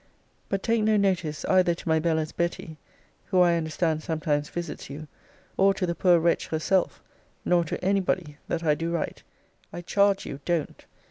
But take no notice either to my Bella's Betty, (who I understand sometimes visits you,) or to the poor wretch herself, nor to any body, that I do write. I charge you don't.